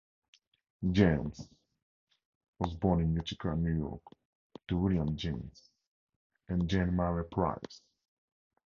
James was born in Utica, New York, to William James and Jane Maria Price.